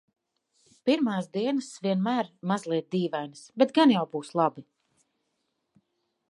Pirmās dienas vienmēr mazliet dīvainas, bet gan jau būs labi.